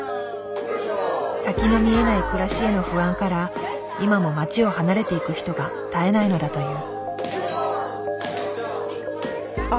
先の見えない暮らしへの不安から今も町を離れていく人が絶えないのだという。